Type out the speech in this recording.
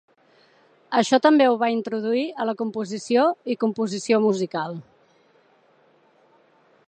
Això també ho va introduir a la composició i composició musical.